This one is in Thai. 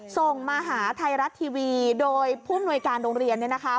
ส่งมาหาไทยรัฐทีวีโดยผู้มนวยการโรงเรียนเนี่ยนะคะ